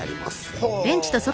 ほう。